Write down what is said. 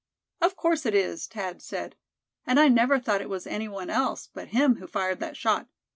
"Of course it is," Thad said. "And I never thought it was any one else but him who fired that shot.